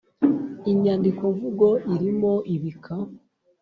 Inyandikomvugo irimo ibika.